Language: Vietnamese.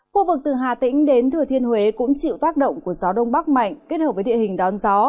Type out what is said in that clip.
khu vực từ hà tĩnh đến thừa thiên huế cũng chịu tác động của gió đông bắc mạnh kết hợp với địa hình đón gió